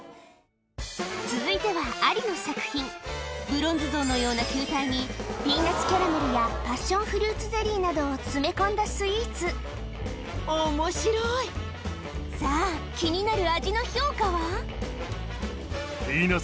続いてはアリの作品ブロンズ像のような球体にピーナツキャラメルやパッションフルーツゼリーなどを詰め込んだスイーツさぁ気になる味の評価は？